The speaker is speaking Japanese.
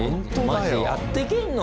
マジでやってけんの？